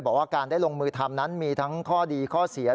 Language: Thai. บอกว่าการได้ลงมือทำนั้นมีทั้งข้อดีข้อเสีย